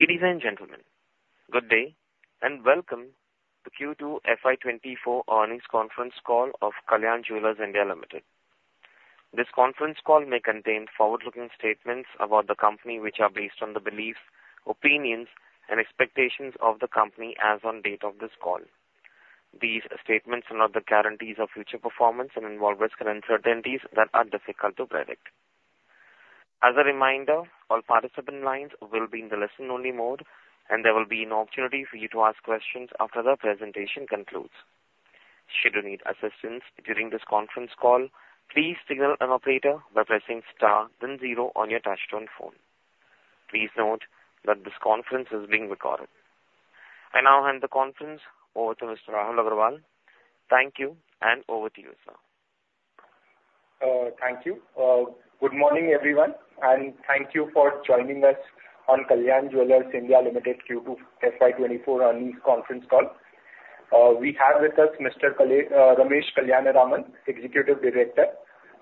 Ladies and gentlemen, good day, and welcome to Q2 FY24 earnings conference call of Kalyan Jewellers India Limited. This conference call may contain forward-looking statements about the company, which are based on the beliefs, opinions, and expectations of the company as on date of this call. These statements are not the guarantees of future performance and involve risks and uncertainties that are difficult to predict. As a reminder, all participant lines will be in the listen-only mode, and there will be an opportunity for you to ask questions after the presentation concludes. Should you need assistance during this conference call, please signal an operator by pressing star then zero on your touchtone phone. Please note that this conference is being recorded. I now hand the conference over to Mr. Rahul Agarwal. Thank you, and over to you, sir. Thank you. Good morning, everyone, and thank you for joining us on Kalyan Jewellers India Limited Q2 FY24 earnings conference call. We have with us Mr. Ramesh Kalyanaraman, Executive Director,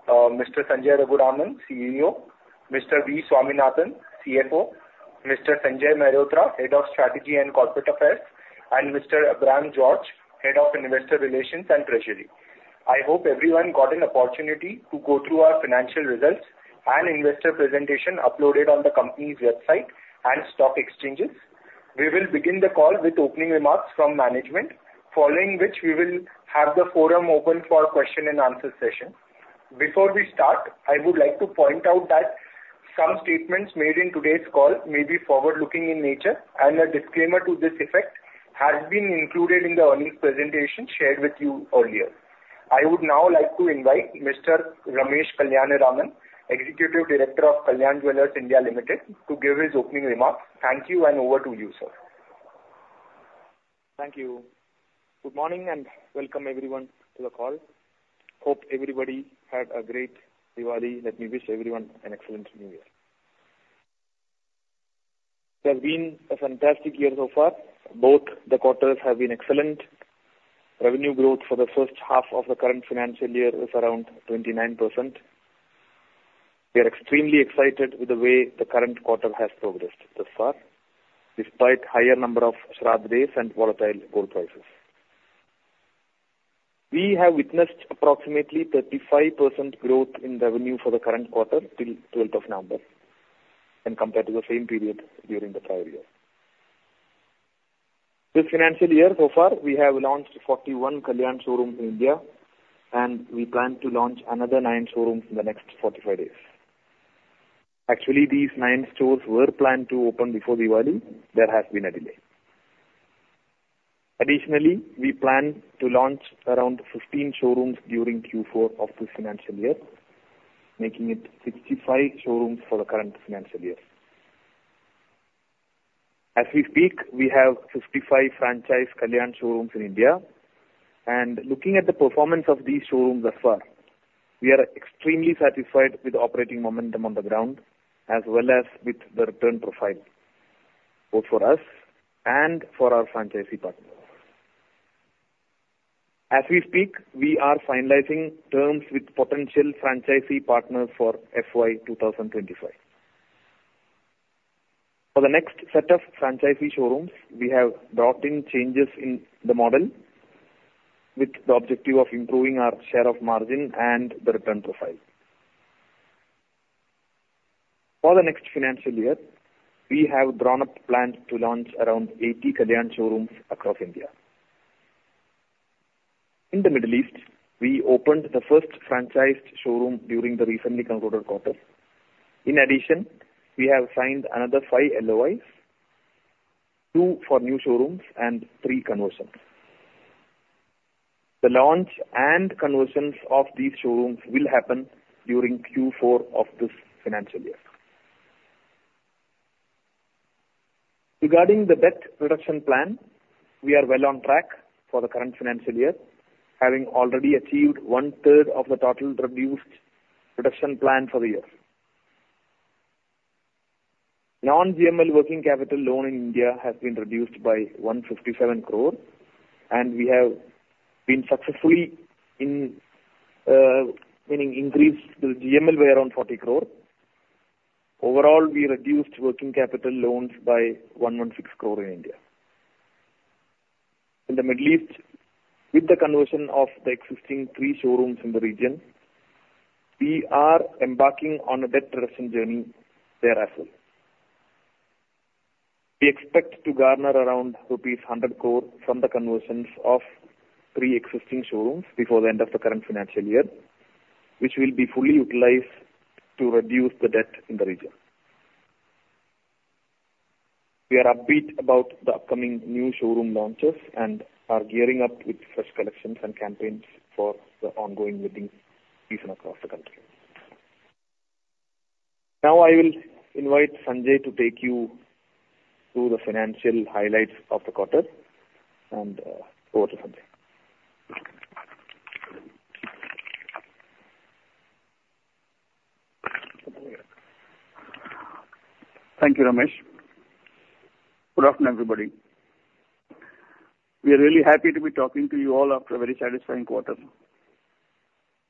Mr. Sanjay Raghuraman, CEO, Mr. V. Swaminathan, CFO, Mr. Sanjay Mehrotra, Head of Strategy and Corporate Affairs, and Mr. Abraham George, Head of Investor Relations and Treasury. I hope everyone got an opportunity to go through our financial results and investor presentation uploaded on the company's website and stock exchanges. We will begin the call with opening remarks from management, following which we will have the forum open for question and answer session. Before we start, I would like to point out that some statements made in today's call may be forward-looking in nature, and a disclaimer to this effect has been included in the earnings presentation shared with you earlier. I would now like to invite Mr. Ramesh Kalyanaraman, Executive Director of Kalyan Jewellers India Limited, to give his opening remarks. Thank you, and over to you, sir. Thank you. Good morning, and welcome everyone to the call. Hope everybody had a great Diwali. Let me wish everyone an excellent new year. It has been a fantastic year so far. Both the quarters have been excellent. Revenue growth for the first half of the current financial year is around 29%. We are extremely excited with the way the current quarter has progressed thus far, despite higher number of Shraddh days and volatile gold prices. We have witnessed approximately 35% growth in revenue for the current quarter till twelfth of November and compared to the same period during the prior year. This financial year, so far, we have launched 41 Kalyan showrooms in India, and we plan to launch another nine showrooms in the next 45 days. Actually, these nine stores were planned to open before Diwali. There has been a delay. Additionally, we plan to launch around 15 showrooms during Q4 of this financial year, making it 65 showrooms for the current financial year. As we speak, we have 55 franchise Kalyan showrooms in India, and looking at the performance of these showrooms thus far, we are extremely satisfied with the operating momentum on the ground as well as with the return profile, both for us and for our franchisee partners. As we speak, we are finalizing terms with potential franchisee partners for FY 2025. For the next set of franchisee showrooms, we have brought in changes in the model with the objective of improving our share of margin and the return profile. For the next financial year, we have drawn up plans to launch around 80 Kalyan showrooms across India. In the Middle East, we opened the first franchised showroom during the recently concluded quarter. In addition, we have signed another 5 LOIs, 2 for new showrooms and 3 conversions. The launch and conversions of these showrooms will happen during Q4 of this financial year. Regarding the debt reduction plan, we are well on track for the current financial year, having already achieved 1/3 of the total reduced reduction plan for the year. Non-GML working capital loan in India has been reduced by 157 crore, and we have been successfully in, meaning increased the GML by around 40 crore. Overall, we reduced working capital loans by 116 crore in India. In the Middle East, with the conversion of the existing 3 showrooms in the region, we are embarking on a debt reduction journey there as well. We expect to garner around rupees 100 crore from the conversions of three existing showrooms before the end of the current financial year, which will be fully utilized to reduce the debt in the region. We are upbeat about the upcoming new showroom launches and are gearing up with fresh collections and campaigns for the ongoing wedding season across the country. Now I will invite Sanjay to take you through the financial highlights of the quarter. And, over to Sanjay. Thank you, Ramesh. Good afternoon, everybody. We are really happy to be talking to you all after a very satisfying quarter.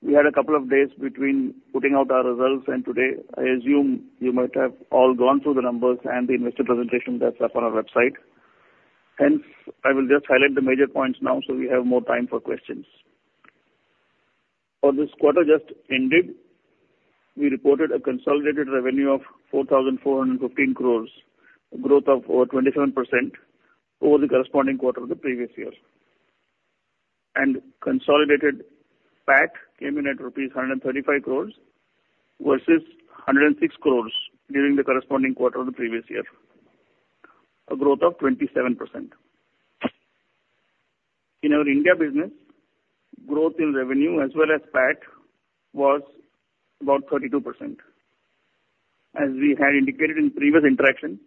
We had a couple of days between putting out our results and today. I assume you might have all gone through the numbers and the investor presentation that's up on our website. Hence, I will just highlight the major points now, so we have more time for questions. For this quarter just ended, we reported a consolidated revenue of 4,415 crore, a growth of over 27% over the corresponding quarter of the previous year. Consolidated PAT came in at rupees 135 crore versus 106 crore during the corresponding quarter of the previous year, a growth of 27%. In our India business, growth in revenue as well as PAT was about 32%. As we had indicated in previous interactions,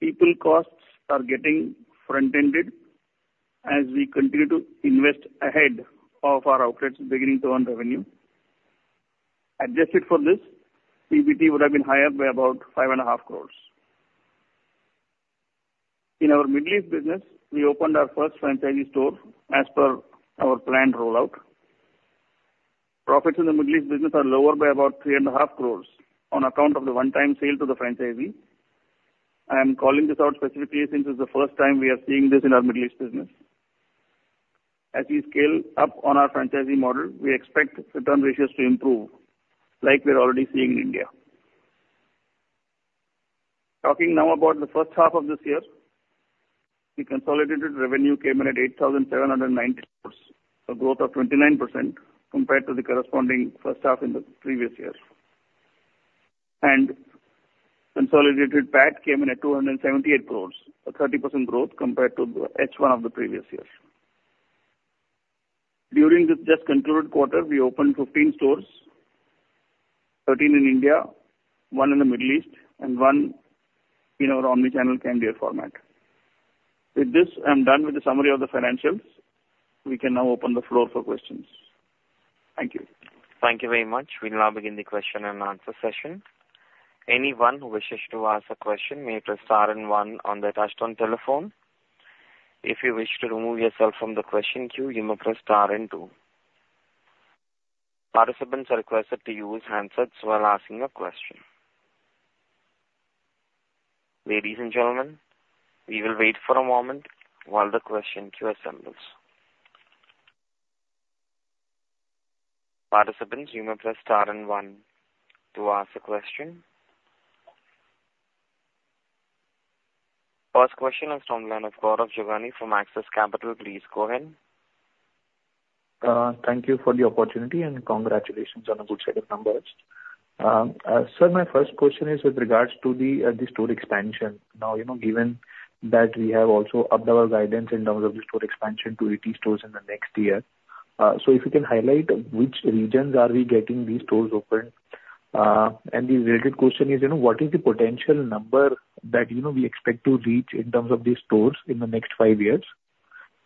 people costs are getting front-ended as we continue to invest ahead of our outlets beginning to earn revenue. Adjusted for this, PBT would have been higher by about 5.5 crore. In our Middle East business, we opened our first franchisee store as per our planned rollout. Profits in the Middle East business are lower by about 3.5 crore on account of the one-time sale to the franchisee. I am calling this out specifically, since it's the first time we are seeing this in our Middle East business. As we scale up on our franchising model, we expect return ratios to improve, like we are already seeing in India. Talking now about the first half of this year, the consolidated revenue came in at 8,790 crores, a growth of 29% compared to the corresponding first half in the previous year. Consolidated PAT came in at 278 crores, a 30% growth compared to the H1 of the previous year. During this just concluded quarter, we opened 15 stores, 13 in India, 1 in the Middle East and 1 in our omni-channel Candere format. With this, I'm done with the summary of the financials. We can now open the floor for questions. Thank you. Thank you very much. We'll now begin the question and answer session. Anyone who wishes to ask a question, may press star and one on their touchtone telephone. If you wish to remove yourself from the question queue, you may press star and two. Participants are requested to use handsets while asking a question. Ladies and gentlemen, we will wait for a moment while the question queue assembles. Participants, you may press star and one to ask a question. First question is from the line of Gaurav Jogani from Axis Capital. Please go ahead. Thank you for the opportunity, and congratulations on a good set of numbers. So my first question is with regards to the store expansion. Now, you know, given that we have also upped our guidance in terms of the store expansion to 80 stores in the next year. So if you can highlight which regions are we getting these stores opened? And the related question is, you know, what is the potential number that, you know, we expect to reach in terms of these stores in the next 5 years?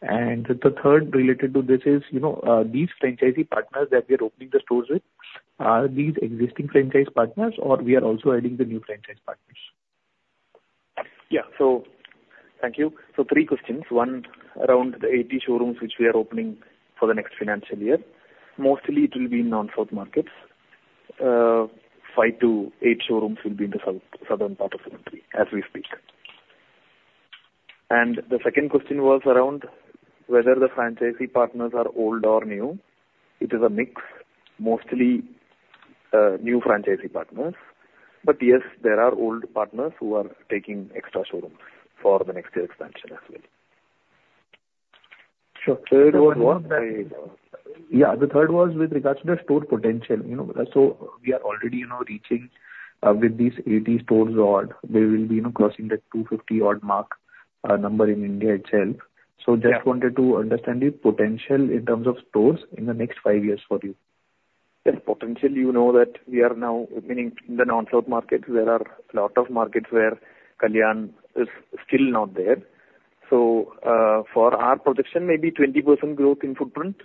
And the third related to this is, you know, these franchisee partners that we are opening the stores with, are these existing franchise partners, or we are also adding the new franchise partners? Yeah. So thank you. So three questions, one, around the 80 showrooms, which we are opening for the next financial year. Mostly it will be in non-south markets. Five to 8 showrooms will be in the south, southern part of the country, as we speak. And the second question was around whether the franchisee partners are old or new. It is a mix, mostly, new franchisee partners. But yes, there are old partners who are taking extra showrooms for the next year expansion as well. Sure. Third one was- Yeah. The third was with regards to the store potential, you know, so we are already, you know, reaching, with these 80 stores odd, we will be, you know, crossing the 250 odd mark, number in India itself. Yeah. Just wanted to understand the potential in terms of stores in the next five years for you. The potential, you know, that we are now, meaning in the non-south markets, there are a lot of markets where Kalyan is still not there. So, for our projection, maybe 20% growth in footprint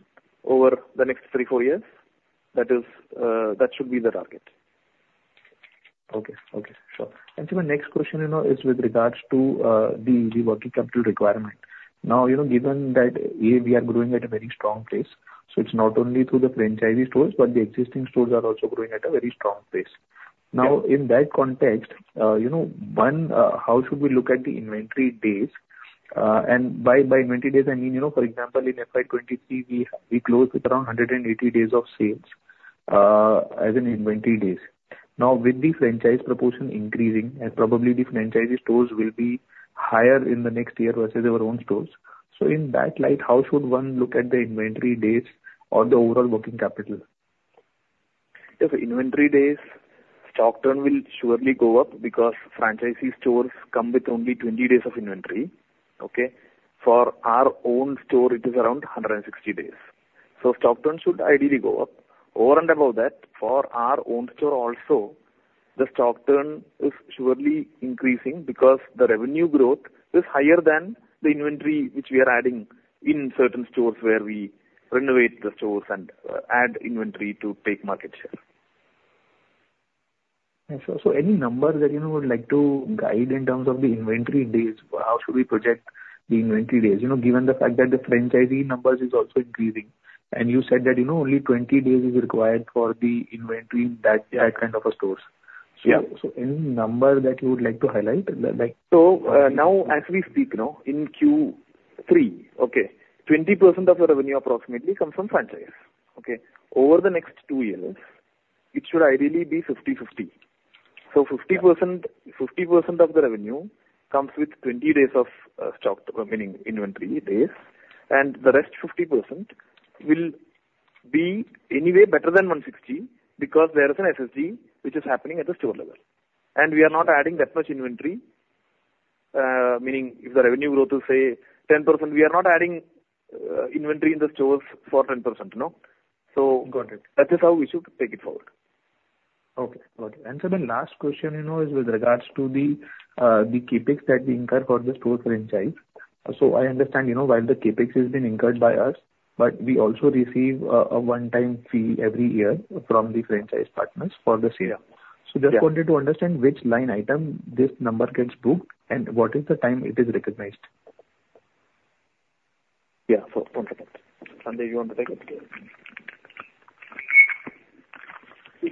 over the next three, four years. That is, that should be the target. Okay. Okay, sure. And so my next question, you know, is with regards to the working capital requirement. Now, you know, given that A, we are growing at a very strong pace, so it's not only through the franchisee stores, but the existing stores are also growing at a very strong pace. Yeah. Now, in that context, you know, one, how should we look at the inventory days? And by, by inventory days, I mean, you know, for example, in FY 2023, we closed with around 180 days of sales, as in inventory days. Now, with the franchise proportion increasing, and probably the franchisee stores will be higher in the next year versus our own stores. So in that light, how should one look at the inventory days or the overall working capital? Yes, inventory days, stock turn will surely go up because franchisee stores come with only 20 days of inventory. Okay? For our own store, it is around 160 days. So stock turn should ideally go up. Over and above that, for our own store also, the stock turn is surely increasing because the revenue growth is higher than the inventory, which we are adding in certain stores, where we renovate the stores and add inventory to take market share. ... So any numbers that you know would like to guide in terms of the inventory days? How should we project the inventory days, you know, given the fact that the franchisee numbers is also increasing, and you said that, you know, only 20 days is required for the inventory in that kind of a stores. Yeah. So any number that you would like to highlight, like. So, now, as we speak now, in Q3, okay, 20% of the revenue approximately comes from franchise. Okay? Over the next two years, it should ideally be 50/50. So 50%, 50% of the revenue comes with 20 days of stock, meaning inventory days, and the rest 50% will be anyway better than 160, because there is an SSG which is happening at the store level. We are not adding that much inventory, meaning if the revenue growth is, say, 10%, we are not adding inventory in the stores for 10%, you know? So, got it. That is how we should take it forward. Okay, got it. So the last question, you know, is with regards to the CapEx that we incur for the store franchise. So I understand, you know, while the CapEx has been incurred by us, but we also receive a one-time fee every year from the franchise partners for the same. Yeah. So just wanted to understand which line item this number gets booked and what is the time it is recognized? Yeah. So, Sanjay, you want to take it?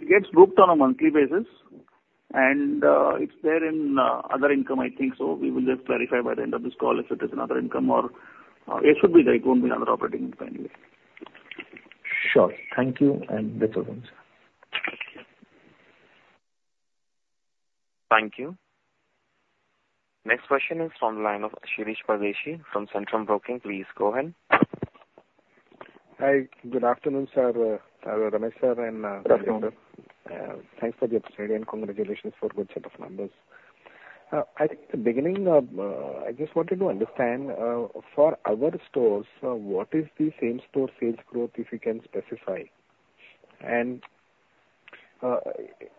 It gets booked on a monthly basis, and it's there in other income, I think, so we will just clarify by the end of this call if it is in other income or it should be there. It won't be another operating income anyway. Sure. Thank you, and that's all, sir. Thank you. Next question is from the line of Shirish Pardeshi from Centrum Broking. Please go ahead. Hi, good afternoon, sir. Ramesh sir and, Good afternoon. Thanks for the opportunity, and congratulations for good set of numbers. At the beginning of, I just wanted to understand, for our stores, what is the same-store sales growth, if you can specify? And,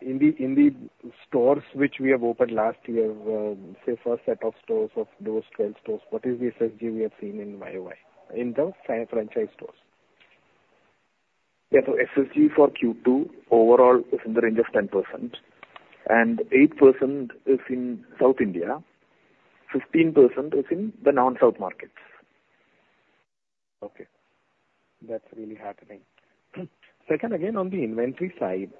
in the stores which we have opened last year, say, first set of stores of those 12 stores, what is the SSG we have seen in YOY, in the franchise stores? Yeah. So SSG for Q2 overall is in the range of 10%, and 8% is in South India, 15% is in the non-South markets. Okay, that's really heartening. Second, again, on the inventory side,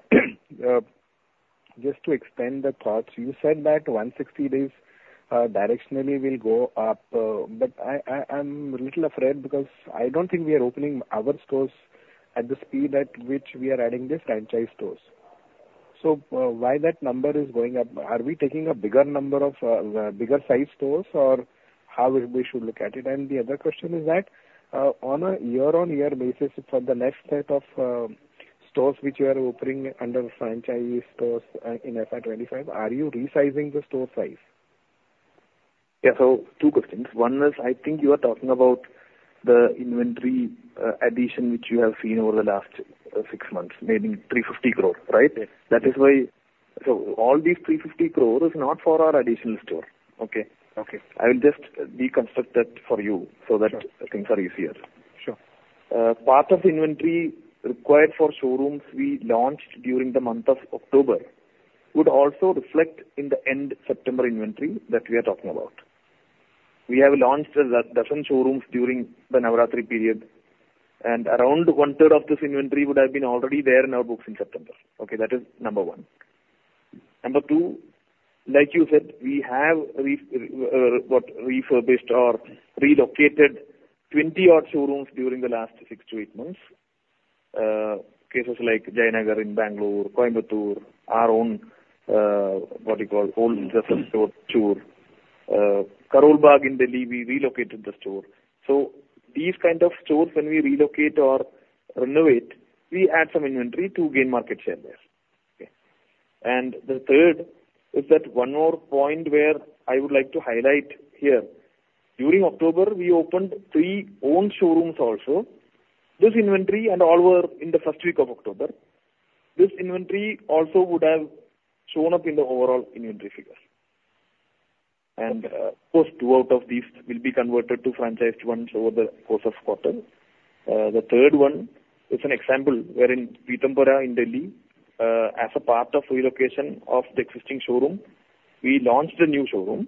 just to expand the thoughts, you said that 160 days, directionally will go up, but I'm a little afraid because I don't think we are opening our stores at the speed at which we are adding the franchise stores. So, why that number is going up? Are we taking a bigger number of, bigger size stores, or how we should look at it? And the other question is that, on a year-on-year basis, for the next set of, stores which you are opening under franchise stores, in FY 2025, are you resizing the store size? Yeah, so two questions. One is, I think you are talking about the inventory addition, which you have seen over the last six months, maybe 350 crore, right? Yes. That is why... So all these 350 crore is not for our additional store. Okay? Okay. I will just deconstruct that for you so that- Sure. things are easier. Sure. Part of the inventory required for showrooms we launched during the month of October would also reflect in the end-September inventory that we are talking about. We have launched 12 showrooms during the Navaratri period, and around one-third of this inventory would have been already there in our books in September. Okay, that is number one. Number two, like you said, we have refurbished or relocated 20-odd showrooms during the last 6-8 months. Cases like Jayanagar in Bangalore, Coimbatore, our own old store, Karol Bagh in Delhi, we relocated the store. So these kind of stores, when we relocate or renovate, we add some inventory to gain market share there. Okay. And the third is that one more point where I would like to highlight here. During October, we opened three own showrooms also. This inventory and all were in the first week of October. This inventory also would have shown up in the overall inventory figures. And, of course, two out of these will be converted to franchised ones over the course of quarter. The third one is an example where in Pitampura in Delhi, as a part of relocation of the existing showroom, we launched a new showroom.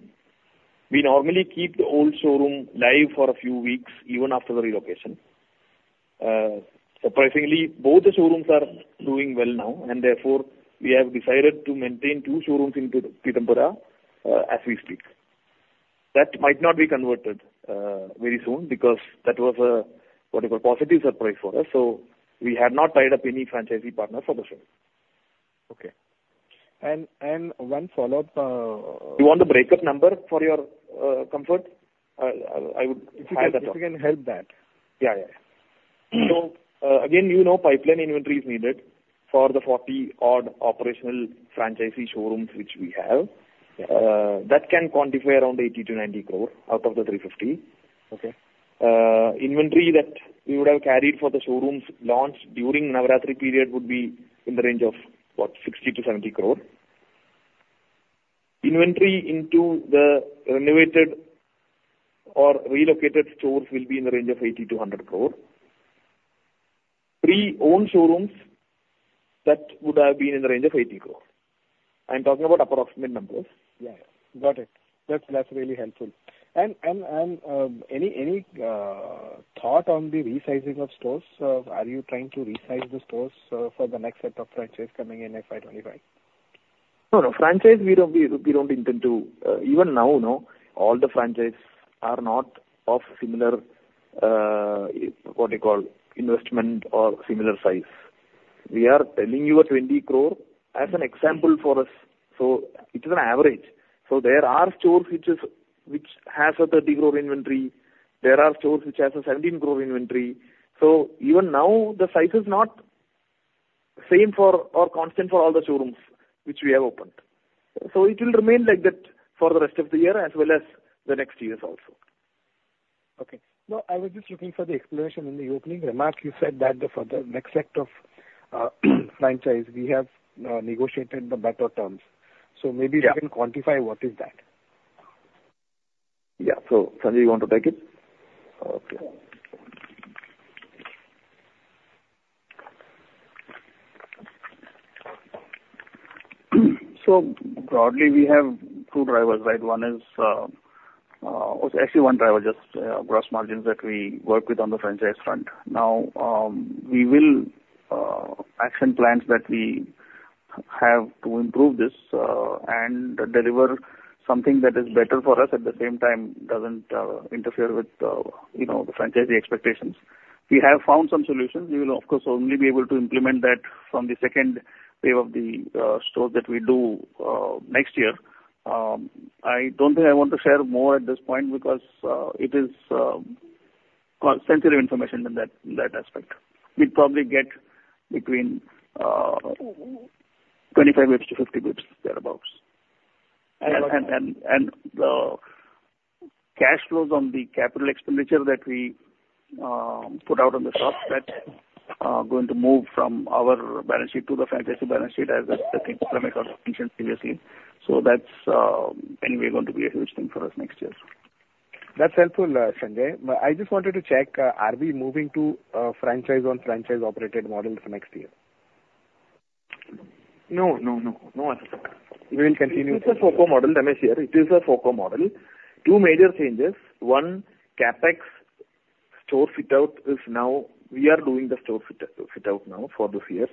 We normally keep the old showroom live for a few weeks even after the relocation. Surprisingly, both the showrooms are doing well now, and therefore, we have decided to maintain two showrooms in Pitampura, as we speak. That might not be converted very soon because that was a, what you call, positive surprise for us. So we have not tied up any franchisee partner for the same. Okay. And one follow-up. You want the breakup number for your comfort? I would- If you can, if you can help that. Yeah, yeah. So, again, you know, pipeline inventory is needed for the 40-odd operational franchisee showrooms which we have. Yeah. That can quantify around 80 crore-90 crore out of the 350 crore. Okay. Inventory that we would have carried for the showrooms launched during Navaratri period would be in the range of, what, 60-70 crore. Inventory into the renovated or relocated stores will be in the range of 80-100 crore. 3 own showrooms that would have been in the range of 80 crore. I'm talking about approximate numbers. Yeah, got it. That's, that's really helpful. Any thought on the resizing of stores? Are you trying to resize the stores for the next set of franchises coming in FY 25? No, no. Franchise, we don't intend to. Even now, no, all the franchises are not of similar, what you call, investment or similar size. We are telling you 20 crore as an example for us, so it is an average. So there are stores which has a 30 crore inventory, there are stores which has a 17 crore inventory. So even now, the size is not same for or constant for all the showrooms which we have opened. So it will remain like that for the rest of the year as well as the next years also. Okay. No, I was just looking for the explanation. In the opening remarks, you said that the, for the next set of, franchise, we have, negotiated the better terms. Yeah. Maybe you can quantify what is that? Yeah. So, Sanjay, you want to take it? Okay. So broadly, we have two drivers, right? One is, actually one driver, just, gross margins that we work with on the franchise front. Now, we will action plans that we have to improve this, and deliver something that is better for us, at the same time, doesn't interfere with, you know, the franchisee expectations. We have found some solutions. We will, of course, only be able to implement that from the second wave of the store that we do next year. I don't think I want to share more at this point because it is sensitive information in that aspect. We'd probably get between 25 basis to 50 basis, thereabout. Cash flows on the capital expenditure that we put out on the top, that are going to move from our balance sheet to the franchise balance sheet, as I mentioned previously. So that's, anyway, going to be a huge thing for us next year. That's helpful, Sanjay. But I just wanted to check, are we moving to a franchise on franchise-operated model for next year? No, no, no. No, as such. We will continue- It is a FOCO model, Ramesh, here. It is a FOCO model. Two major changes. One, CapEx store fit-out is now... We are doing the store fit, fit-out now for this year.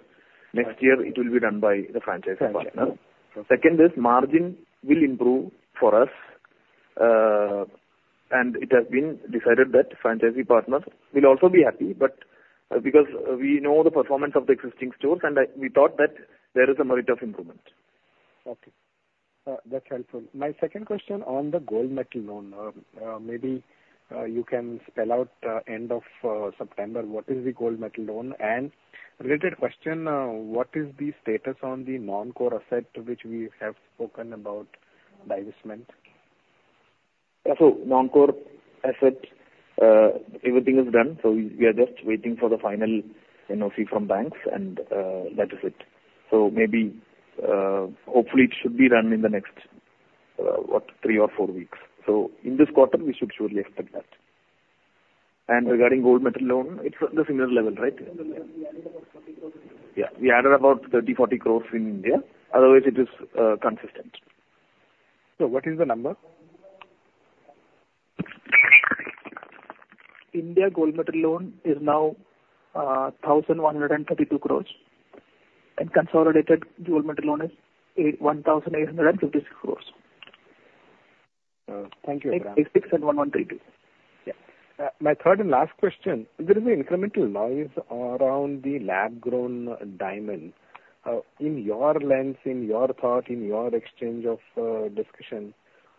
Next year, it will be done by the franchisee partner. Franchisee. Second is, margin will improve for us, and it has been decided that franchisee partners will also be happy. But, because we know the performance of the existing stores, and, we thought that there is a merit of improvement. Okay, that's helpful. My second question on the gold metal loan. Maybe you can spell out, end of September, what is the gold metal loan? And related question, what is the status on the non-core asset, which we have spoken about divestment? Yeah. So non-core asset, everything is done, so we are just waiting for the final NOC from banks and, that is it. So maybe, hopefully it should be done in the next, what, three or four weeks. So in this quarter, we should surely expect that. And regarding gold metal loan, it's at the similar level, right? We added about 30 crore. Yeah, we added about 30-40 crore in India. Otherwise it is consistent. What is the number? India Gold Metal Loan is now 1,132 crores, and consolidated Gold Metal Loan is 1,856 crores. Thank you, Abraham. 8 6 and 1 1 3 2. Yeah. My third and last question: There is an incremental noise around the lab-grown diamond. In your lens, in your thought, in your exchange of discussion,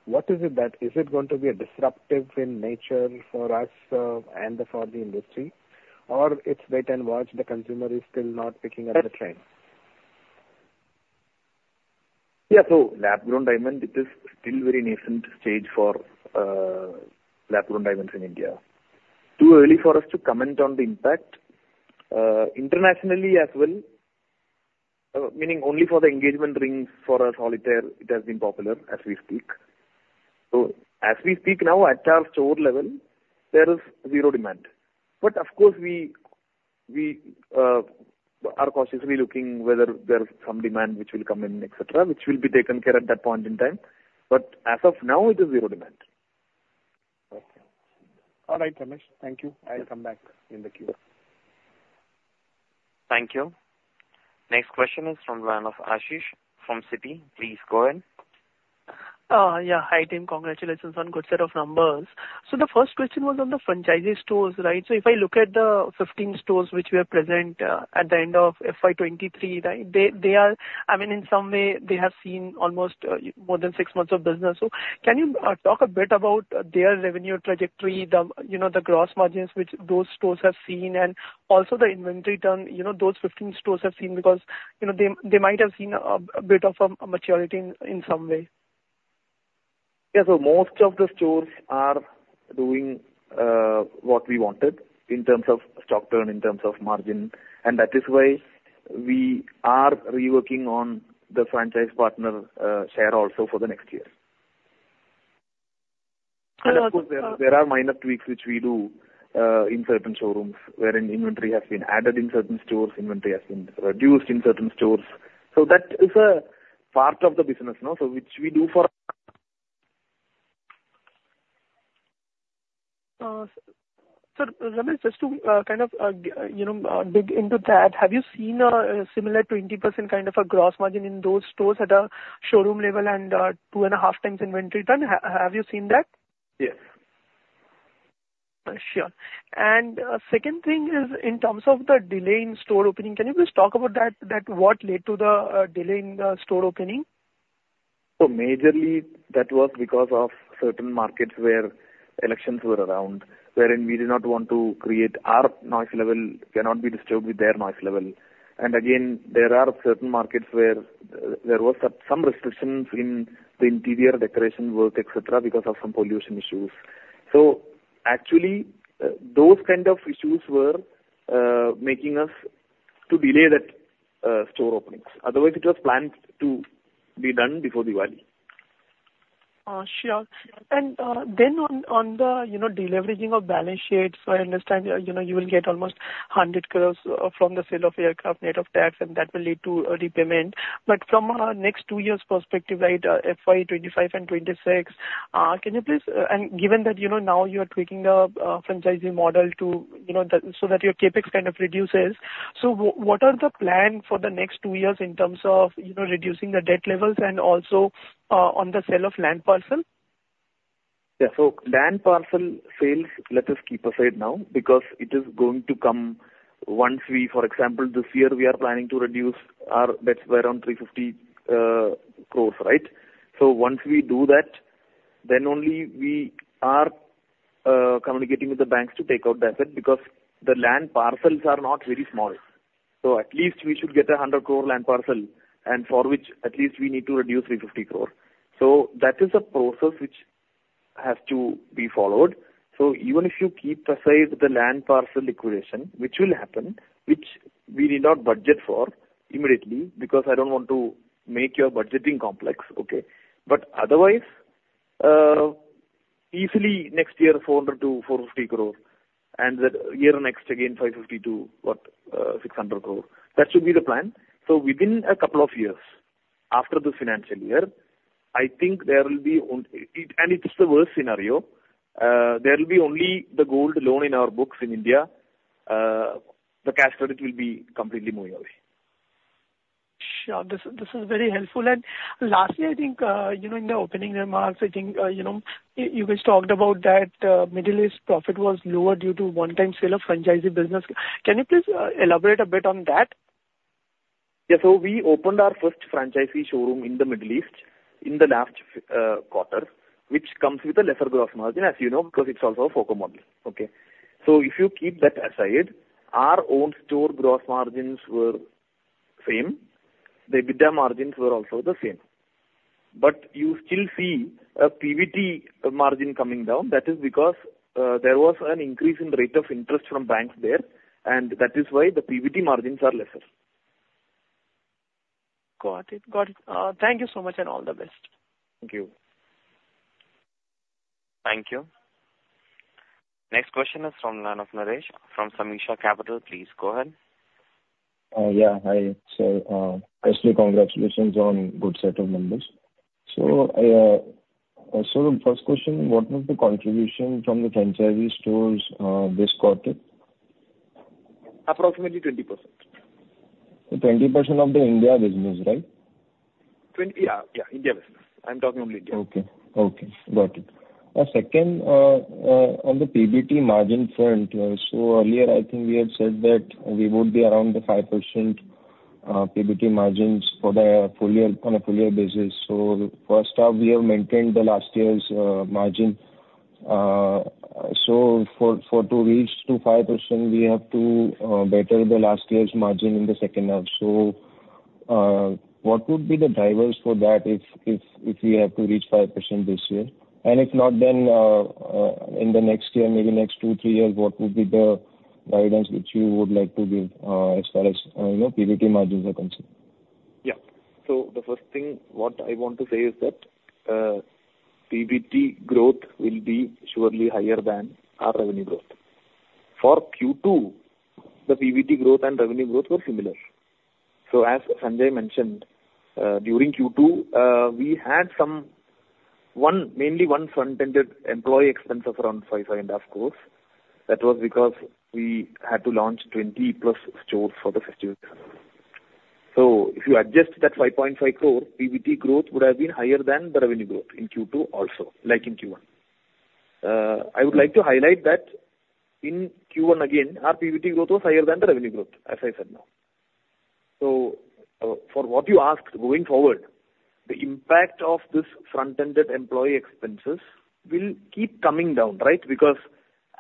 what is it that is it going to be a disruptive in nature for us and for the industry? Or it's wait and watch, the consumer is still not picking up the trend? Yeah. So lab-grown diamond, it is still very nascent stage for lab-grown diamonds in India. Too early for us to comment on the impact. Internationally as well, meaning only for the engagement rings, for a solitaire, it has been popular as we speak. So as we speak now, at our store level, there is zero demand. But of course, we are cautiously looking whether there is some demand which will come in, et cetera, which will be taken care at that point in time, but as of now, it is zero demand. Okay. All right, Ramesh, thank you. I'll come back in the queue. Thank you. Next question is from the line of Ashish from Citi. Please go ahead. Yeah. Hi, team. Congratulations on good set of numbers. So the first question was on the franchisee stores, right? So if I look at the 15 stores which were present at the end of FY 2023, right, they, they are... I mean, in some way, they have seen almost more than six months of business. So can you talk a bit about their revenue trajectory, the, you know, the gross margins which those stores have seen, and also the inventory turn, you know, those 15 stores have seen? Because, you know, they, they might have seen a, a bit of a maturity in, in some way. Yeah. So most of the stores are doing what we wanted in terms of stock turn, in terms of margin, and that is why we are reworking on the franchise partner share also for the next year. And of course, there are minor tweaks which we do in certain showrooms, wherein inventory has been added in certain stores, inventory has been reduced in certain stores. So that is a part of the business, you know, so which we do for- Sir, just to kind of you know dig into that, have you seen a similar 20% kind of a gross margin in those stores at a showroom level and 2.5 times inventory turn? Have you seen that? Yes. Sure. And, second thing is, in terms of the delay in store opening, can you please talk about that, that what led to the, delay in the store opening? Majorly, that was because of certain markets where elections were around, wherein we did not want to create our noise level cannot be disturbed with their noise level. Again, there are certain markets where there was some restrictions in the interior decoration work, et cetera, because of some pollution issues. Actually, those kind of issues were making us to delay that store openings. Otherwise, it was planned to be done before Diwali. Sure. And then on the, you know, deleveraging of balance sheets, I understand, you know, you will get almost 100 crore from the sale of aircraft net of tax, and that will lead to a repayment. But from a next two years perspective, right, FY 2025 and 2026, can you please—and given that, you know, now you are tweaking the franchising model to, you know, so that your CapEx kind of reduces. So what are the plan for the next two years in terms of, you know, reducing the debt levels and also on the sale of land parcel? Yeah. So land parcel sales, let us keep aside now, because it is going to come once we, for example, this year we are planning to reduce our debts by around 350 crores, right? So once we do that, then only we are communicating with the banks to take out the asset, because the land parcels are not very small. So at least we should get an 100 crore land parcel, and for which at least we need to reduce 350 crore. So that is a process which has to be followed. So even if you keep aside the land parcel liquidation, which will happen, which we need not budget for immediately, because I don't want to make your budgeting complex, okay? But otherwise, easily next year, 400 crore-450 crore, and the year next again, 550 crore-600 crore. That should be the plan. So within a couple of years after the financial year, I think there will be on... And it is the worst scenario, there will be only the gold loan in our books in India. The cash credit will be completely moving away. Sure. This, this is very helpful. And lastly, I think, you know, in the opening remarks, I think, you know, you guys talked about that, Middle East profit was lower due to one-time sale of franchisee business. Can you please, elaborate a bit on that? Yeah. So we opened our first franchisee showroom in the Middle East in the last quarter, which comes with a lesser gross margin, as you know, because it's also a FOCO model. Okay? So if you keep that aside, our own store gross margins were same. The EBITDA margins were also the same. But you still see a PBT margin coming down. That is because there was an increase in rate of interest from banks there, and that is why the PBT margins are lesser. Got it. Got it. Thank you so much, and all the best. Thank you. Thank you. Next question is from Naresh, from Samisha Capital. Please go ahead. Yeah. Hi. So, firstly, congratulations on good set of numbers. So, the first question, what was the contribution from the franchisee stores, this quarter? Approximately 20%. 20% of the India business, right? Yeah, yeah, India business. I'm talking only India. Okay. Okay, got it. Second, on the PBT margin front, so earlier, I think we had said that we would be around the 5% PBT margins for the full year, on a full year basis. So first off, we have maintained last year's margin. So for to reach to 5%, we have to better last year's margin in the second half. So, what would be the drivers for that if we have to reach 5% this year? And if not, then in the next year, maybe next two, three years, what would be the guidance which you would like to give, as far as you know, PBT margins are concerned? Yeah. So the first thing what I want to say is that PBT growth will be surely higher than our revenue growth. For Q2, the PBT growth and revenue growth were similar. So as Sanjay mentioned, during Q2, we had some, one, mainly one front-ended employee expenses around 5.5 crore. That was because we had to launch 20+ stores for the festival. So if you adjust that 5.5 crore, PBT growth would have been higher than the revenue growth in Q2 also, like in Q1. I would like to highlight that in Q1 again, our PBT growth was higher than the revenue growth, as I said now. So for what you asked, going forward, the impact of this front-ended employee expenses will keep coming down, right? Because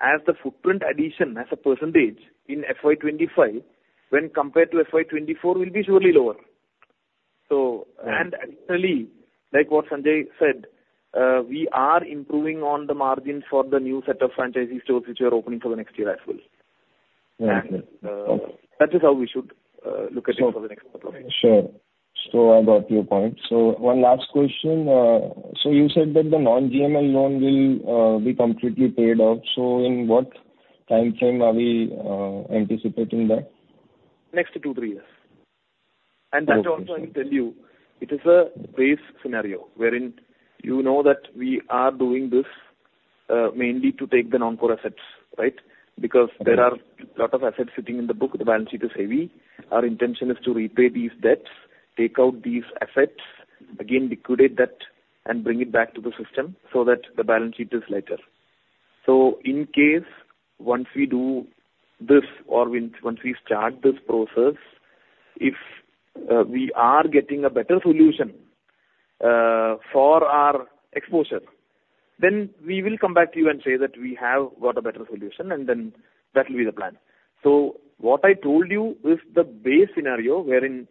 as the footprint addition as a percentage in FY 2025 when compared to FY 2024, will be surely lower. So- Yeah. Additionally, like what Sanjay said, we are improving on the margins for the new set of franchisee stores, which are opening for the next year as well. That is how we should look at it for the next couple of years. Sure. So I got your point. So one last question. So you said that the non-GML loan will be completely paid off, so in what timeframe are we anticipating that? Next 2-3 years. Okay. That also, I'll tell you, it is a base scenario wherein you know that we are doing this, mainly to take the non-core assets, right? Mm-hmm. Because there are a lot of assets sitting in the book, the balance sheet is heavy. Our intention is to repay these debts, take out these assets, again, liquidate that and bring it back to the system so that the balance sheet is lighter. So in case once we do this or once, once we start this process, if, we are getting a better solution, for our exposure, then we will come back to you and say that we have got a better solution, and then that will be the plan. So what I told you is the base scenario, wherein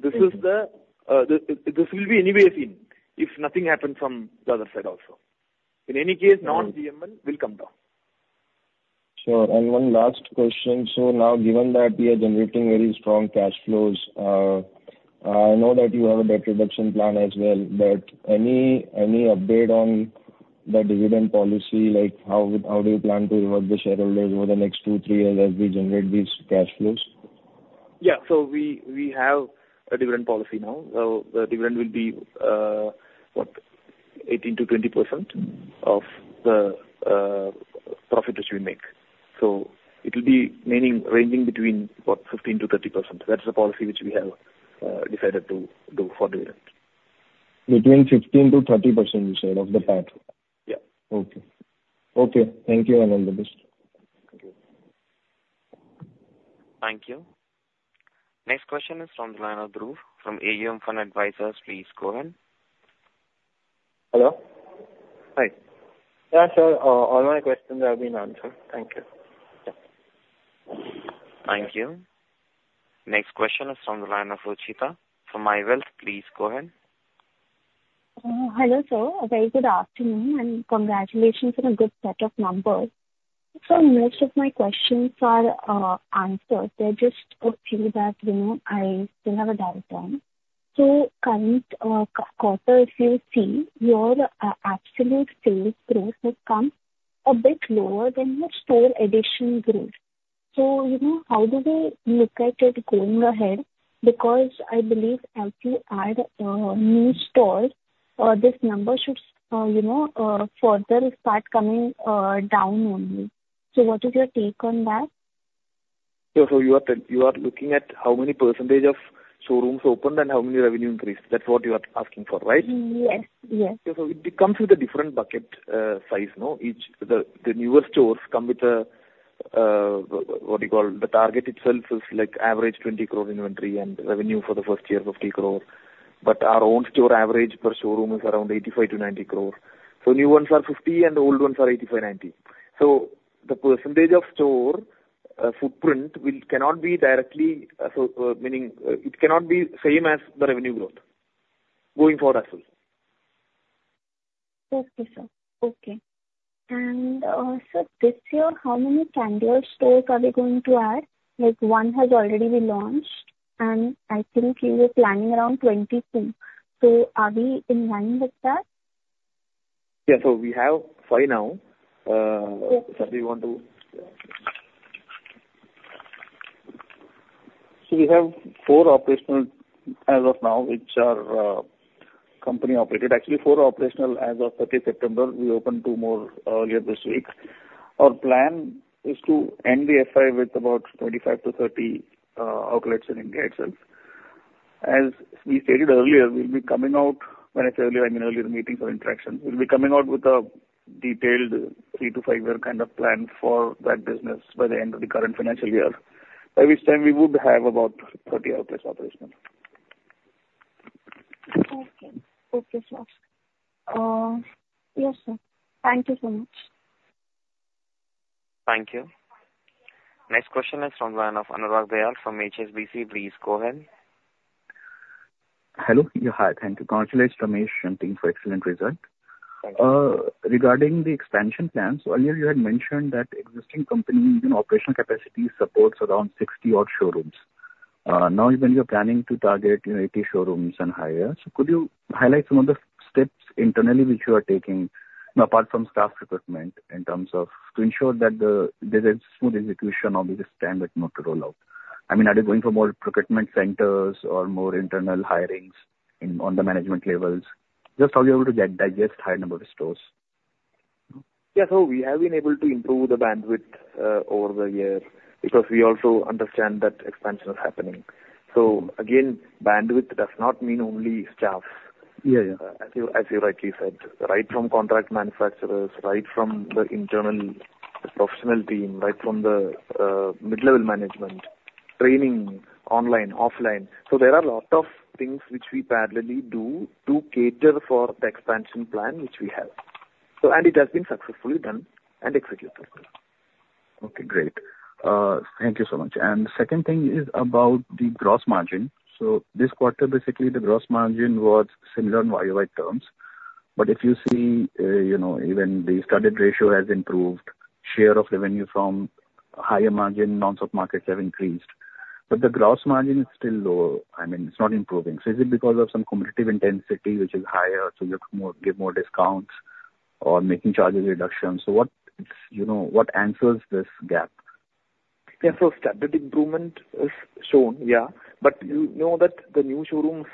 this is the- Mm. This will be anyway seen, if nothing happens from the other side also. In any case- Mm. Non-GML will come down. Sure. One last question: so now, given that we are generating very strong cash flows, I know that you have a debt reduction plan as well, but any, any update on the dividend policy? Like, how, how do you plan to reward the shareholders over the next two, three years as we generate these cash flows? Yeah. So we, we have a dividend policy now. The dividend will be 18%-20% of the profit which we make. So it will be meaning ranging between 15%-30%. That's the policy which we have decided to do for dividend. Between 15%-30% you said, of the profit? Yeah. Okay. Okay, thank you, and all the best. Thank you. Thank you. Next question is from the line of Dhruv from AUM Fund Advisors. Please go ahead. Hello. Hi. Yeah, sir, all my questions have been answered. Thank you. Thank you. Next question is from the line of Rochita from My Wealth. Please go ahead. Hello, sir. A very good afternoon, and congratulations on a good set of numbers. So most of my questions are answered. There's just a few that, you know, I still have a doubt on. So current quarter, if you see, your absolute sales growth has come a bit lower than your store addition growth. So, you know, how do we look at it going ahead? Because I believe as you add new stores, this number should, you know, further start coming down only. So what is your take on that? So, you are looking at how many percentage of showrooms opened and how many revenue increased, that's what you are asking for, right? Yes, yes. So it comes with a different bucket, size, no? Each... The newer stores come with a, what you call, the target itself is like average 20 crore inventory and revenue for the first year, 50 crore, but our own store average per showroom is around 85 crore-90 crore. So new ones are 50, and the old ones are 85, 90. So the percentage of store footprint will cannot be directly, so, meaning, it cannot be same as the revenue growth going forward as well. Okay, sir. Okay. And, sir, this year, how many Candere stores are we going to add? Like, one has already been launched, and I think you were planning around 22. So are we in line with that? Yeah. We have five now. Okay. so we want to... So we have 4 operational as of now, which are, company-operated. Actually, 4 operational as of 30 September. We opened 2 more, here this week. Our plan is to end the FY with about 25-30, outlets in India itself. As we stated earlier, we'll be coming out, when I say earlier, I mean earlier in the meeting for interaction. We'll be coming out with a detailed 3-5 year kind of plan for that business by the end of the current financial year. By which time, we would have about 30 outlets operational. Okay. Okay, sir. Yes, sir. Thank you so much. Thank you. Next question is from the line of Anurag Jayal from HSBC. Please go ahead. Hello. Yeah, hi. Thank you. Congratulations, Ramesh Kalyanaraman, for excellent result. Thank you. Regarding the expansion plans, earlier you had mentioned that existing company, you know, operational capacity supports around 60-odd showrooms. Now when you're planning to target, you know, 80 showrooms and higher, so could you highlight some of the steps internally which you are taking, you know, apart from staff recruitment, in terms of to ensure that the, there's a smooth execution of this standard not to roll out? I mean, are you going for more procurement centers or more internal hirings in, on the management levels? Just how are you able to get, digest high number of stores? Yeah. So we have been able to improve the bandwidth over the years, because we also understand that expansion is happening. So again, bandwidth does not mean only staff. Yeah, yeah. As you, as you rightly said, right from contract manufacturers, right from the internal professional team, right from the mid-level management, training online, offline. So there are a lot of things which we parallelly do to cater for the expansion plan which we have. So, and it has been successfully done and executed as well. Okay, great. Thank you so much. And second thing is about the gross margin. So this quarter, basically, the gross margin was similar in YoY terms. But if you see, you know, even the studded ratio has improved, share of revenue from higher margin non-South markets have increased, but the gross margin is still low. I mean, it's not improving. So is it because of some competitive intensity which is higher, so you have to give more discounts or making charges reductions? So what, you know, what answers this gap? Yeah, so studded improvement is shown, yeah. But you know that the new showrooms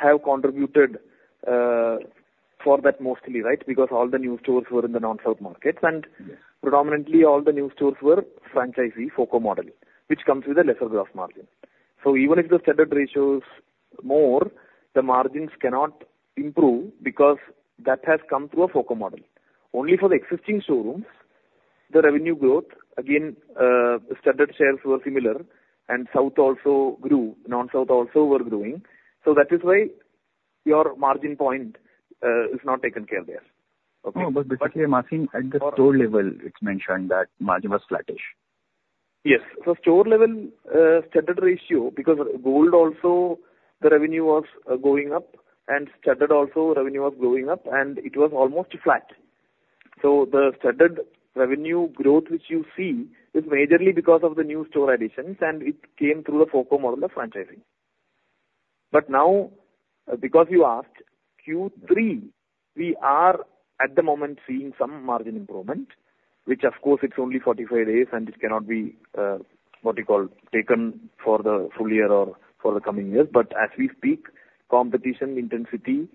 have contributed for that mostly, right? Because all the new stores were in the non-South markets, and- Yes. Predominantly all the new stores were franchisee FOCO model, which comes with a lesser gross margin. So even if the studded ratio is more, the margins cannot improve because that has come through a FOCO model. Only for the existing showrooms, the revenue growth, again, the studded shares were similar and South also grew, non-South also were growing, so that is why your margin point is not taken care of there. Okay? No, but basically I'm asking at the store level, it's mentioned that margin was flattish. Yes. So store level, studded ratio, because gold also the revenue was going up and studded also revenue was going up, and it was almost flat. So the studded revenue growth, which you see, is majorly because of the new store additions, and it came through the foco model of franchising. But now, because you asked, Q3, we are at the moment seeing some margin improvement, which of course it's only 45 days and it cannot be, what you call, taken for the full year or for the coming years. But as we speak, competition intensity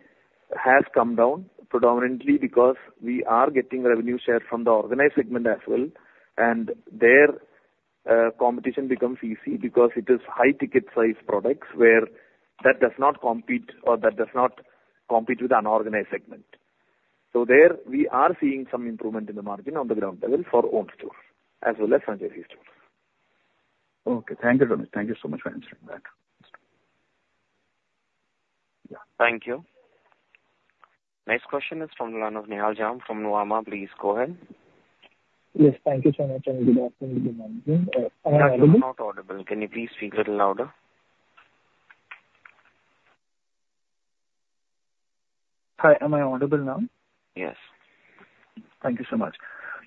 has come down predominantly because we are getting revenue share from the organized segment as well. And there, competition becomes easy because it is high ticket size products, where that does not compete or that does not compete with the unorganized segment. There, we are seeing some improvement in the margin on the ground level for owned stores as well as franchisee stores. Okay, thank you very much. Thank you so much for answering that. Yeah. Thank you. Next question is from the line of Nihal Jham from Nomura. Please go ahead. Yes, thank you so much, and good afternoon, good morning. Am I audible? You're not audible. Can you please speak a little louder? Hi. Am I audible now? Yes. Thank you so much.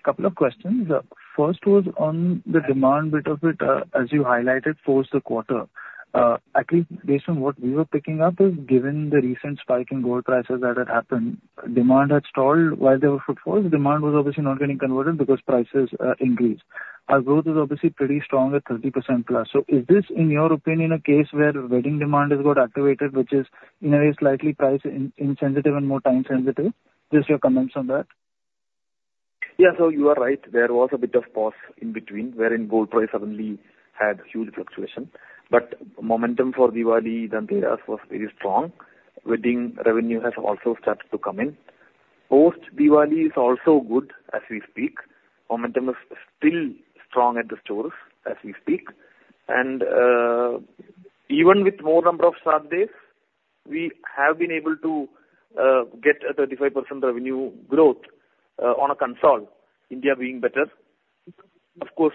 Couple of questions. First was on the demand bit of it, as you highlighted for the quarter. I think based on what we were picking up is, given the recent spike in gold prices that had happened, demand had stalled. While there were footfalls, demand was obviously not getting converted because prices increased. Our growth is obviously pretty strong at 30% plus. So is this, in your opinion, a case where wedding demand has got activated, which is in a way slightly price-insensitive and more time sensitive? Just your comments on that. Yeah. So you are right, there was a bit of pause in between, wherein gold price suddenly had huge fluctuation. But momentum for Diwali, Dhanteras was very strong. Wedding revenue has also started to come in. Post-Diwali is also good as we speak. Momentum is still strong at the stores as we speak. And even with more number of Shraddh days, we have been able to get a 35% revenue growth on a consolidated basis, India being better. Of course,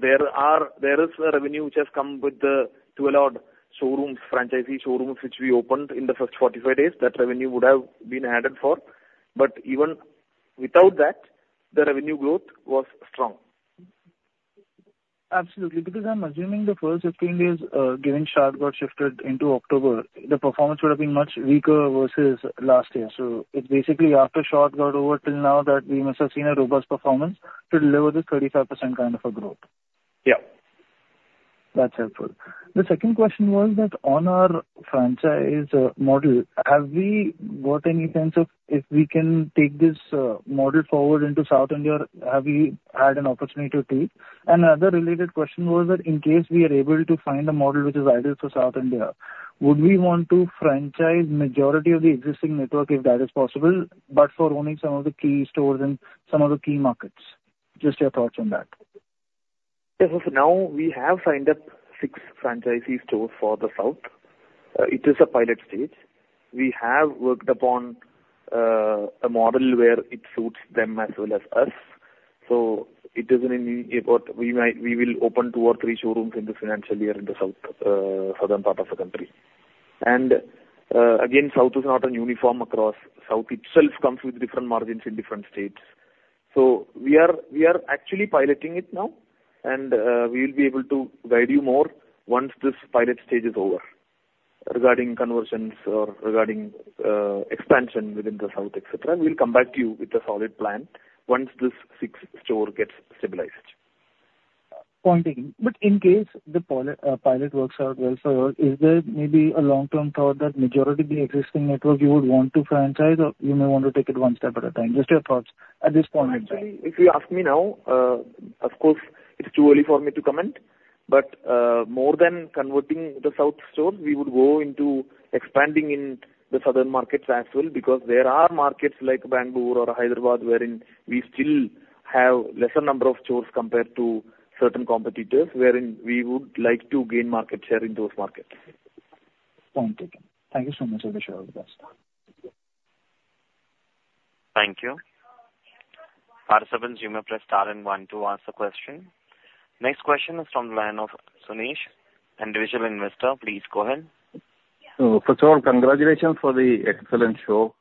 there is a revenue which has come with the 12 showrooms, franchisee showrooms, which we opened in the first 45 days. That revenue would have been added for, but even without that, the revenue growth was strong. Absolutely. Because I'm assuming the first 15 days, given Shraddh got shifted into October, the performance would have been much weaker versus last year. So it's basically after Shraddh got over till now that we must have seen a robust performance to deliver this 35% kind of a growth. Yeah. That's helpful. The second question was that on our franchise model, have we got any sense of if we can take this model forward into South India, or have we had an opportunity to take? Another related question was that in case we are able to find a model which is ideal for South India, would we want to franchise majority of the existing network, if that is possible, but for owning some of the key stores in some of the key markets? Just your thoughts on that. Yes, so now we have signed up 6 franchisee stores for the South. It is a pilot stage. We have worked upon a model where it suits them as well as us. So it is. We will open 2 or 3 showrooms in the financial year in the South, southern part of the country. And again, South is not a uniform across. South itself comes with different margins in different states. So we are actually piloting it now, and we will be able to guide you more once this pilot stage is over. Regarding conversions or expansion within the South, et cetera, we'll come back to you with a solid plan once this 6 store gets stabilized. Point taken. But in case the pilot works out well for you, is there maybe a long-term thought that majority of the existing network you would want to franchise, or you may want to take it one step at a time? Just your thoughts at this point in time. If you ask me now, of course, it's too early for me to comment, but, more than converting the South stores, we would go into expanding in the southern markets as well, because there are markets like Bangalore or Hyderabad wherein we still have lesser number of stores compared to certain competitors, wherein we would like to gain market share in those markets. Point taken. Thank you so much. I wish you all the best. Thank you, participant. To press star one to ask the question. Next question is from the line of Sunish, individual investor. Please go ahead. First of all, congratulations for the excellent show.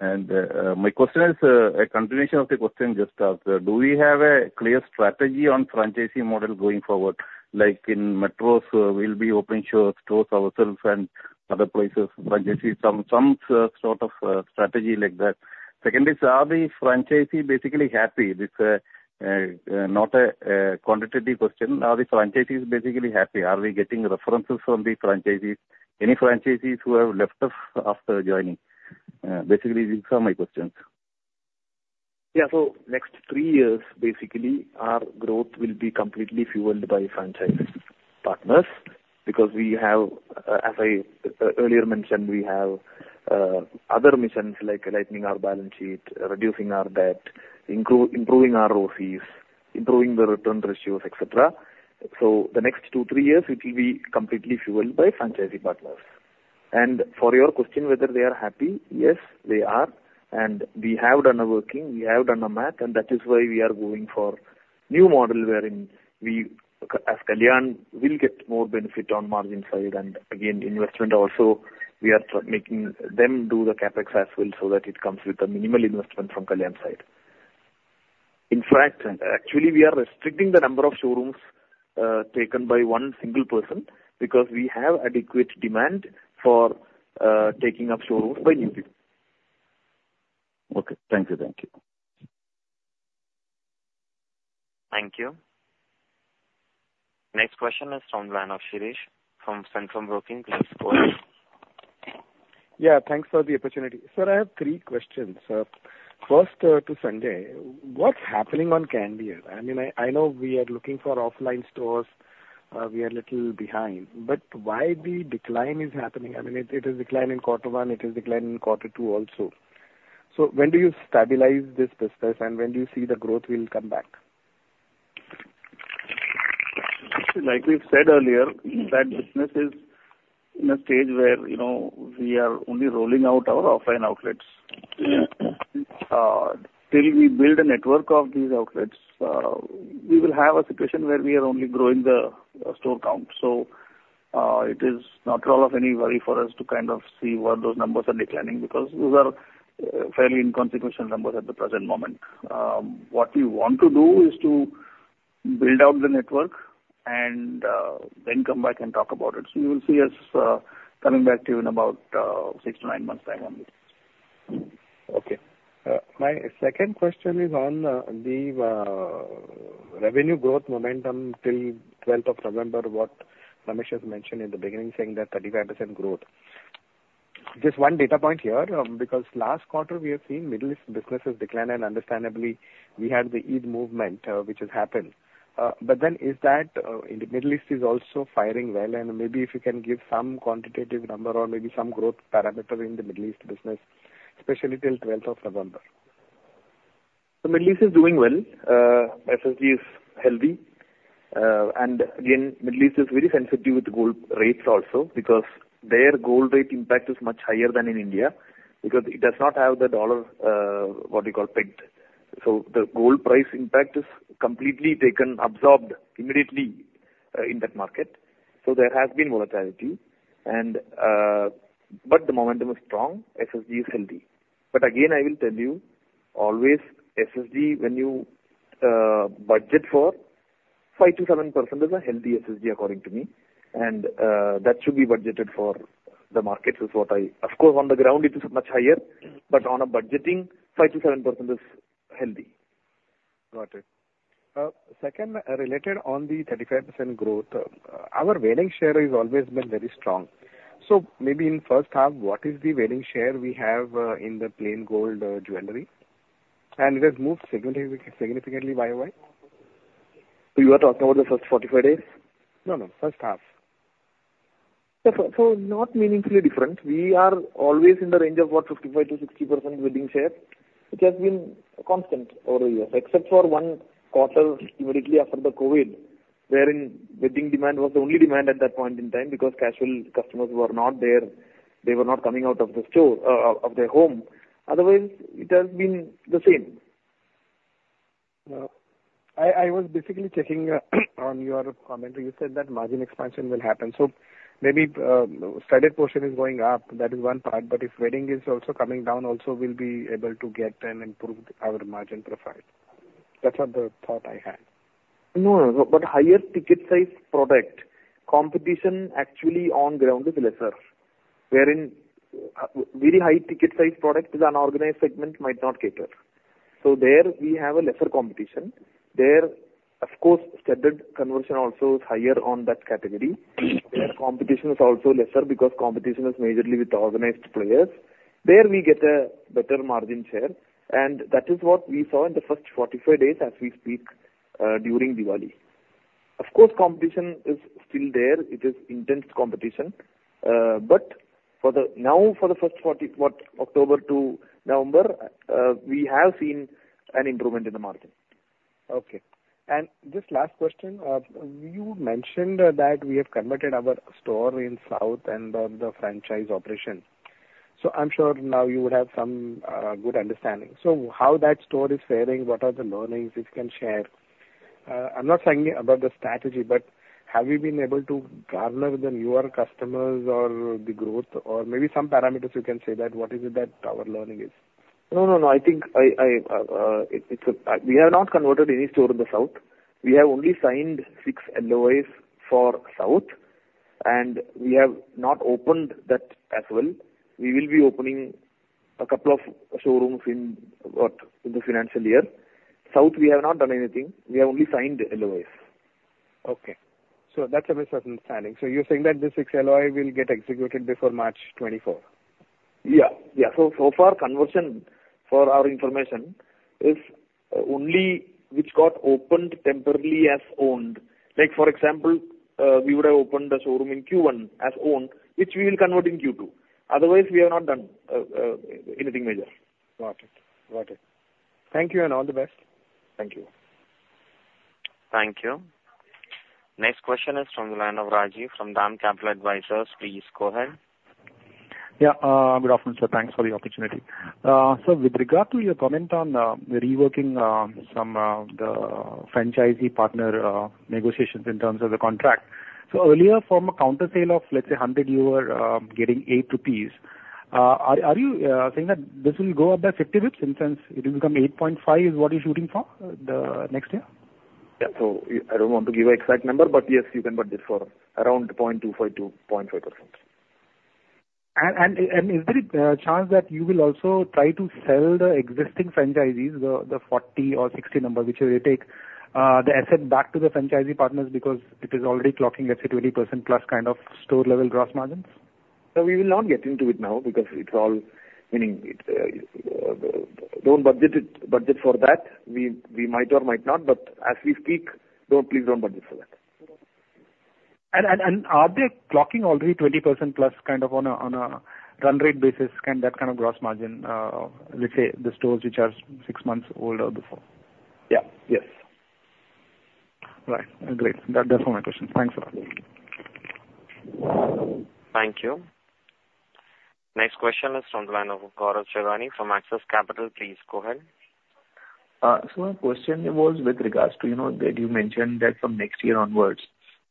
My question is a continuation of the question just asked. Do we have a clear strategy on franchisee model going forward, like in metros, we'll be opening show-stores ourselves and other places, franchisee, some sort of strategy like that? Secondly, are the franchisee basically happy? This, not a quantitative question. Are the franchisees basically happy? Are we getting references from the franchisees, any franchisees who have left us after joining? Basically, these are my questions. Yeah. So next 3 years, basically, our growth will be completely fueled by franchisee partners, because we have, as I earlier mentioned, we have, other missions like lightening our balance sheet, reducing our debt, improving our ROEs, improving the return ratios, et cetera. So the next 2-3 years, it will be completely fueled by franchisee partners. And for your question, whether they are happy, yes, they are. And we have done a working, we have done a math, and that is why we are going for new model, wherein we, as Kalyan, will get more benefit on margin side, and again, investment also, we are making them do the CapEx as well, so that it comes with a minimal investment from Kalyan side. In fact, actually, we are restricting the number of showrooms taken by one single person, because we have adequate demand for taking up showrooms by new people. Okay. Thank you. Thank you. Thank you. Next question is from line of Shirish, from Centrum Broking. Please go ahead. Yeah, thanks for the opportunity. Sir, I have three questions. First, to Sanjay. What's happening on Candere? I mean, I know we are looking for offline stores. We are little behind. But why the decline is happening? I mean, it is decline in Quarter 1, it is decline in Quarter 2 also. So when do you stabilize this business, and when do you see the growth will come back? Like we've said earlier, that business is in a stage where, you know, we are only rolling out our offline outlets. Mm-hmm. Till we build a network of these outlets, we will have a situation where we are only growing the store count. So, it is not at all of any worry for us to kind of see why those numbers are declining, because those are fairly inconsequential numbers at the present moment. What we want to do is to build out the network and then come back and talk about it. So you will see us coming back to you in about 6-9 months' time on this. Okay. My second question is on the revenue growth momentum till twelfth of November, what Ramesh has mentioned in the beginning, saying that 35% growth. Just one data point here, because last quarter we have seen Middle East businesses decline, and understandably, we had the Eid movement, which has happened. But then, is that in the Middle East also firing well? And maybe if you can give some quantitative number or maybe some growth parameter in the Middle East business, especially till twelfth of November. The Middle East is doing well. SSG is healthy. Again, Middle East is very sensitive with gold rates also, because their gold rate impact is much higher than in India, because it does not have the dollar, what you call, pegged. So the gold price impact is completely taken, absorbed immediately, in that market. So there has been volatility and... The momentum is strong. SSG is healthy. Again, I will tell you, always, SSG, when you, budget for 5%-7% is a healthy SSG according to me, and, that should be budgeted for the markets is what I-- Of course, on the ground it is much higher, but on a budgeting, 5%-7% is healthy. Got it. Second, related on the 35% growth, our wedding share has always been very strong. So maybe in first half, what is the wedding share we have in the plain gold jewelry? And it has moved significantly, significantly, by the way. You are talking about the first 45 days? No, no, first half. Yeah, so not meaningfully different. We are always in the range of about 55%-60% wedding share, which has been constant over the years, except for one quarter immediately after the COVID, wherein wedding demand was the only demand at that point in time, because casual customers were not there, they were not coming out of the store of their home. Otherwise, it has been the same. I was basically checking on your comment. You said that margin expansion will happen. So maybe, studied portion is going up, that is one part, but if wedding is also coming down, also we'll be able to get and improve our margin profile. That's not the thought I had. No, no, but higher ticket size product competition actually on ground is lesser, wherein very high ticket size product is unorganized segment might not cater. So there we have a lesser competition. There, of course, standard conversion also is higher on that category. There competition is also lesser because competition is majorly with organized players. There we get a better margin share, and that is what we saw in the first 45 days as we speak during Diwali. Of course, competition is still there. It is intense competition. But for the... Now, for the first 40 what, October to November, we have seen an improvement in the margin. ... Okay. And just last question, you mentioned that we have converted our store in South and on the franchise operation. So I'm sure now you would have some good understanding. So how that store is faring, what are the learnings if you can share? I'm not saying about the strategy, but have you been able to garner the newer customers or the growth or maybe some parameters you can say that what is it that our learning is? No, no, no. I think we have not converted any store in the South. We have only signed six LOIs for South, and we have not opened that as well. We will be opening a couple of showrooms in what? In the financial year. South, we have not done anything. We have only signed LOIs. Okay. So that's a misunderstanding. So you're saying that the six LOI will get executed before March 2024? Yeah. Yeah. So, so far conversion for our information is only which got opened temporarily as owned. Like, for example, we would have opened a showroom in Q1 as owned, which we will convert in Q2. Otherwise, we have not done anything major. Got it. Got it. Thank you, and all the best. Thank you. Thank you. Next question is from the line of Rajiv from DAM Capital Advisors. Please go ahead. Yeah. Good afternoon, sir. Thanks for the opportunity. So with regard to your comment on reworking some the franchisee partner negotiations in terms of the contract. So earlier, from a counter sale of, let's say, 100, you were getting 8 rupees. Are you saying that this will go up by 50 basis points, in sense it will become 8.5, is what you're shooting for the next year? Yeah. So I don't want to give an exact number, but yes, you can budget for around 0.25%-0.5%. Is there a chance that you will also try to sell the existing franchisees, the 40 or 60 number, whichever you take, the asset back to the franchisee partners because it is already clocking, let's say, 20% plus kind of store level gross margins? We will not get into it now because it's all, meaning, don't budget it, budget for that. We, we might or might not, but as we speak, don't, please don't budget for that. Are they clocking already 20%+ kind of on a run rate basis, that kind of gross margin, let's say, the stores which are six months old or before? Yeah. Yes. Right. Great. That's all my questions. Thanks a lot. Thank you. Next question is from the line of Gaurav Jogani from Axis Capital. Please, go ahead. So my question was with regards to, you know, that you mentioned that from next year onwards,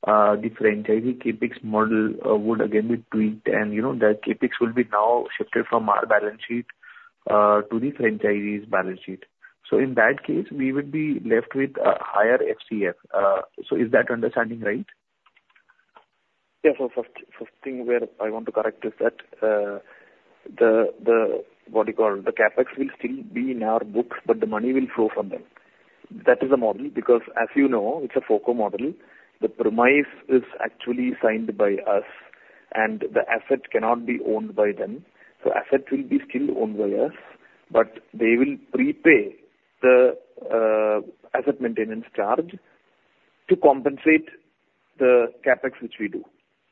the franchisee CapEx model would again be tweaked and, you know, that CapEx will be now shifted from our balance sheet to the franchisee's balance sheet. So in that case, we would be left with a higher FCF. Is that understanding right? Yeah. So the first thing where I want to correct is that, what you call, the CapEx will still be in our books, but the money will flow from them. That is the model, because as you know, it's a FOCO model. The premises is actually signed by us, and the asset cannot be owned by them. So assets will be still owned by us, but they will prepay the asset maintenance charge to compensate the CapEx, which we do.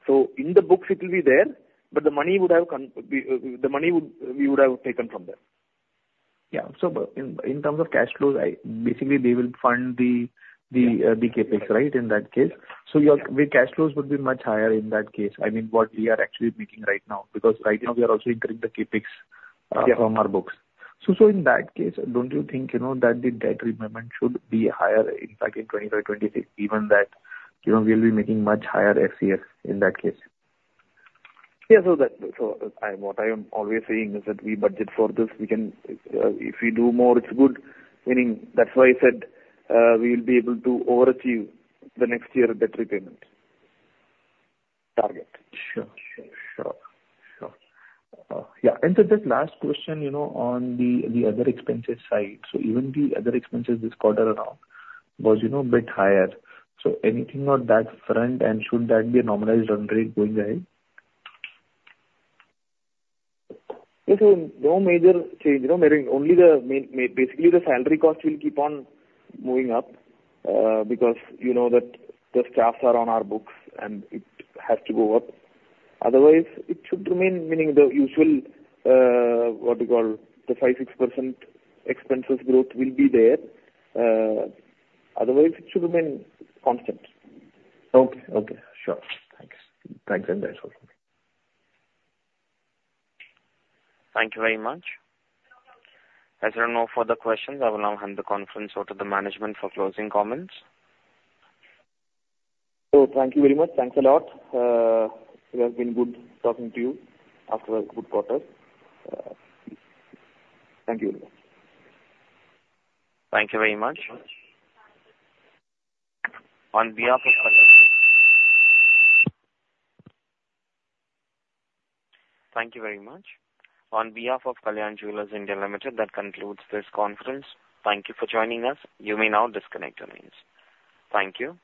So in the books it will be there, but the money would have... The money would, we would have taken from them. Yeah. So but in terms of cash flows, basically they will fund the CapEx, right, in that case? So your, the cash flows would be much higher in that case. I mean, what we are actually making right now, because right now we are also increasing the CapEx from our books. Yeah. So in that case, don't you think, you know, that the debt repayment should be higher in, like, 2025, 2026, given that, you know, we'll be making much higher FCF in that case? Yeah. So what I am always saying is that we budget for this. We can if we do more, it's good. Meaning, that's why I said, we'll be able to overachieve the next year debt repayment target. Sure, sure, sure. Sure. Yeah, and so just last question, you know, on the other expenses side. So even the other expenses this quarter around was, you know, a bit higher. So anything on that front, and should that be a normalized run rate going ahead? Yes, so no major change, you know, meaning only. Basically, the salary cost will keep on moving up, because you know that the staffs are on our books and it has to go up. Otherwise, it should remain, meaning the usual, what you call, the 5-6% expenses growth will be there. Otherwise it should remain constant. Okay. Okay, sure. Thanks. Thanks, and that's all. Thank you very much. As there are no further questions, I will now hand the conference over to the management for closing comments. So thank you very much. Thanks a lot. It has been good talking to you after a good quarter. Thank you very much. Thank you very much. On behalf of Kalyan Jewellers India Limited, that concludes this conference. Thank you for joining us. You may now disconnect your lines. Thank you.